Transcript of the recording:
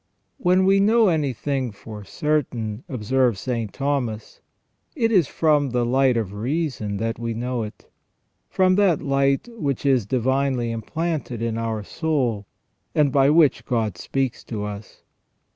"When we know anything for certain," observes St. Thomas, " it is from the light of reason that we know it, from that light which is divinely implanted in our soul, and by which God speaks to us."